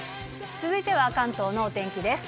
続いては関東のお天気です。